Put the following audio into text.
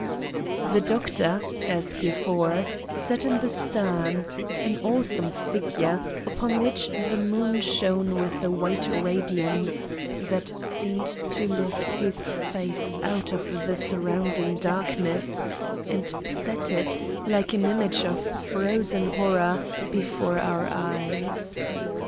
The Doctor, as before, sat in the stern, an awesome figure, upon which the moon shone with a white radiance that seemed to lift his face out of the surrounding darkness and set it, like an image of frozen horror, before our eyes.